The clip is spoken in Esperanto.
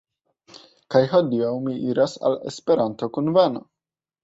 Kaj hodiaŭ mi iras al Esperanto-kuveno.